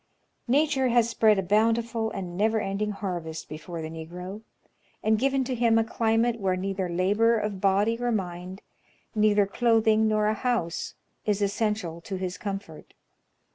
Nature has spread a bountiful and never ending harvest before the Negro, and given to him a climate where neither labor of body or mind, neither clothing nor a house, is essential to his comfort.